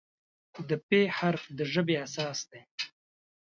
د "پ" حرف د ژبې اساس دی.